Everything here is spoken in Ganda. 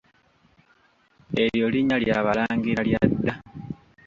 Eryo linnya lya balangira lya dda.